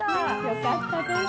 よかったです。